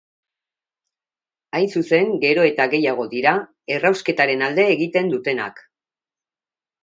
Hain zuzen, gero eta gehiago dira errausketaren alde egiten dutenak.